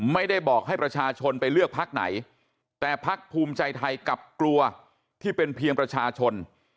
ไม่ได้บอกให้ประชาชนไปเลือกพักไหนแต่พักภูมิใจไทยกลับกลัวที่เป็นเพียงประชาชน